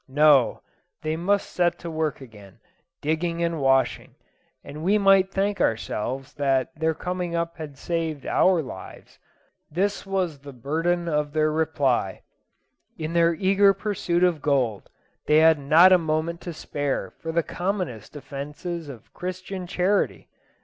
No, they must set to work again, digging and washing, and we might thank ourselves that their coming up had saved our lives; this was the burthen of their reply. In their eager pursuit of gold, they had not a moment to spare for the commonest offices of Christian charity.